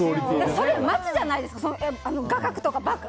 それ待つじゃないですか画角とかバック。